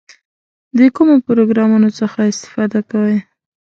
د کومو پروګرامونو څخه استفاده کوئ؟